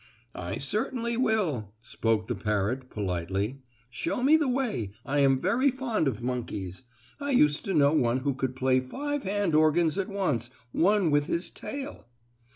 "I certainly will," spoke the parrot, politely. "Show me the way. I am very fond of monkeys. I used to know one who could play five hand organs at once one with his tail."